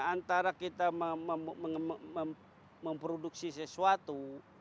antara kita memproduksi sesuatu